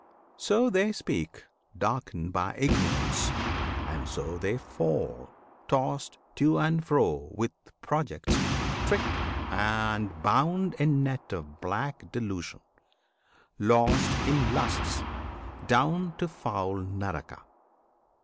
So they speak Darkened by ignorance; and so they fall Tossed to and fro with projects, tricked, and bound In net of black delusion, lost in lusts Down to foul Naraka.